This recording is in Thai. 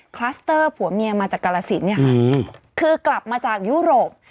คลัสเตอร์ผัวเมียมาจากกรสินเนี่ยค่ะคือกลับมาจากยุโรป